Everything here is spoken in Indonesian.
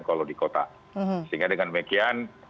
kalau di kota sehingga dengan demikian